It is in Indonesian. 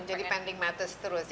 jadi pending matters terus